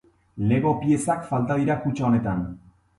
Lego piezak falta dira kutxa honetan.